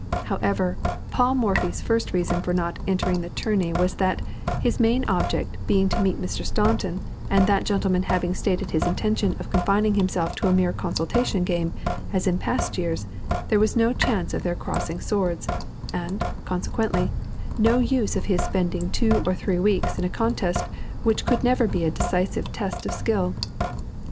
However, Paul Morphy's first reason for not entering the tournay was that, his main object being to meet Mr. Staunton, and that gentleman having stated his intention of confining himself to a mere consultation game, as in past years, there was no chance of their crossing swords, and, consequently, no use of his spending two or three weeks in a contest which never could be a decisive test of skill.